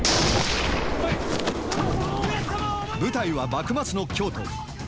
舞台は幕末の京都。